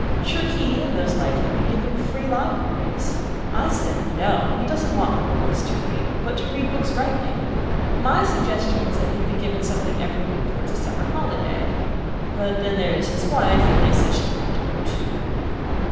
Should he and those like him be given free libraries? I said 'No!' He doesn't want more books to read, but to read books rightly. My suggestion was he should be given something every year towards a summer holiday, but then there is his wife, and they said she would have to go too.